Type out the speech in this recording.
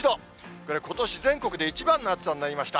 これ、ことし全国で一番の暑さになりました。